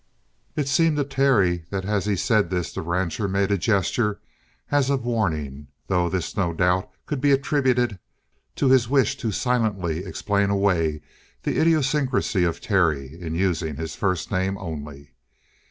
It seemed to Terry that as he said this the rancher made a gesture as of warning, though this, no doubt, could be attributed to his wish to silently explain away the idiosyncrasy of Terry in using his first name only.